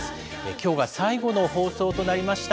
きょうが最後の放送となりました。